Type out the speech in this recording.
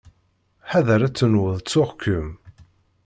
Ḥader ad tenwuḍ ttuɣ-kem!